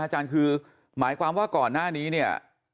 อาจารย์ครับผมขออนเวลาก่อนหน้านี้